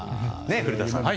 古田さん。